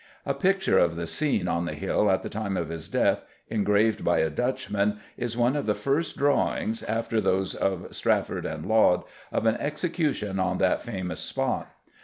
A picture of the scene on the Hill at the time of his death, engraved by a Dutchman, is one of the first drawings, after those of Strafford and Laud, of an execution on that famous spot.